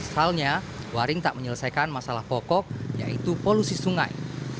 pasalnya waring tak menyelesaikan masalah pokok yaitu polusi sungai